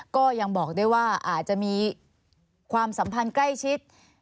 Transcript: ก็ยังบอกได้ว่าอาจจะมีความสัมพันธ์ใกล้ชิด